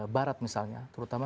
barat misalnya terutama